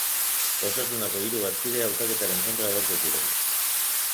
Osasunako hiru bazkide hautaketaren kontra agertu ziren.